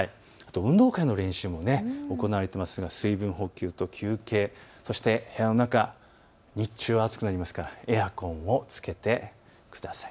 運動会の練習も行われていますから水分補給と休憩、そして、部屋の中、日中、暑くなりますからエアコンをつけてください。